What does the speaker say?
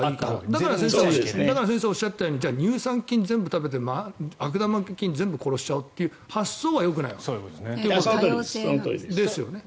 だから先生がおっしゃったように乳酸菌、全部食べて悪玉菌を全部殺しちゃうという発想はよくないわけですよね。